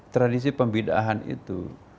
tradisi pembedaan itu